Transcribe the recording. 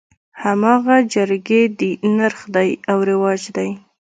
هماغه جرګې دي نرخ دى او رواج دى.